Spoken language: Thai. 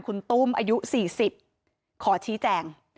คุณตุ้มอายุ๔๐ขอชี้แจง